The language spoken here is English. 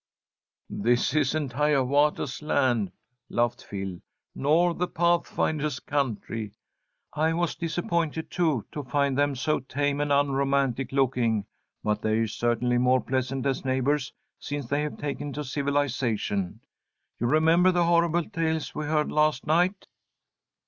"This isn't Hiawatha's land," laughed Phil, "nor the Pathfinder's country. I was disappointed, too, to find them so tame and unromantic looking, but they're certainly more pleasant as neighbours since they have taken to civilization. You remember the horrible tales we heard last night."